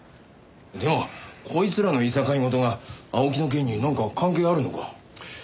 でもこいつらのいさかい事が青木の件になんか関係あるのか？